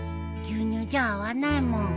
牛乳じゃ合わないもん。